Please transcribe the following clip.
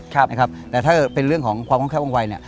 แต่ถ้าเป็นเรื่องของความค่องแค้วว่างวาย